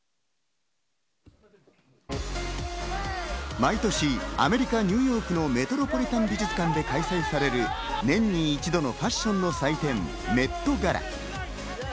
毎年アメリカ・ニューヨークのメトロポリタン美術館で開催される年に一度のファッションの祭典メットガラ。